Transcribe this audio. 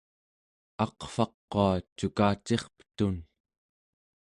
aqvaqua cukacirpetun